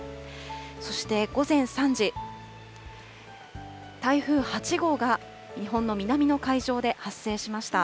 そして午前３時、台風８号が日本の南の海上で発生しました。